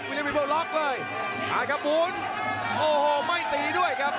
วิลเลี่ยมมีโปรดล็อคเลยหากระบุญโอ้โหไม่ตีด้วยครับ